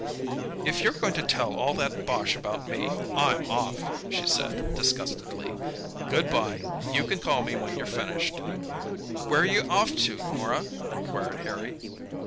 "If you're going to tell all that bosh about me, I'm off," she said, disgustedly. "Good bye. You can call me when you've finished." "Where are you off to, Norah?" inquired Harry.